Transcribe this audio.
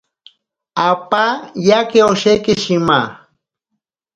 Apa yake osheki shima.